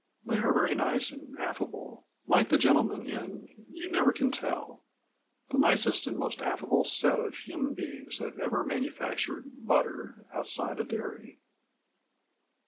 They are very nice and affable, like the gentleman in You Never Can Tell the nicest and most affable set of human beings that ever manufactured butter outside a dairy.